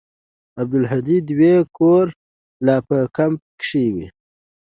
د عبدالهادي دوى کور لا په کمپ کښې و.